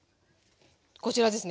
こちらですね。